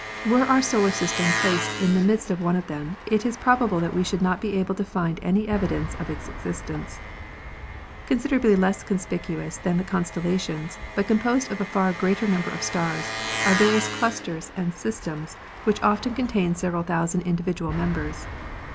Were our solar system placed in the midst of one of them, it is prob able that we should not be able to find any evidence of its existence. Considerably less conspicuous than the constellations, hut composed of a far greater number of stars, are various clusters and systems which often contain several thousand individual members.